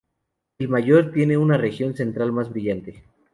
El mayor tiene una región central más brillante.